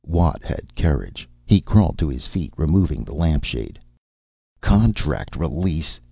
Watt had courage. He crawled to his feet, removing the lamp shade. "Contract release!"